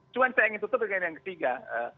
cuma saya ingin tutup dengan yang ketiga